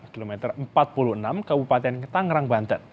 kilometer empat puluh enam kabupaten tangerang banten